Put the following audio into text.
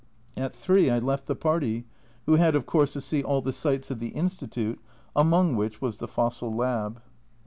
At 3 I left the party, who had, of course, to see all the sights of the Institute, among which was the " Fossil Lab."